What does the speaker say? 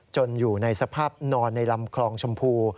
อยู่ในสภาพนอนในลำคลองชมพู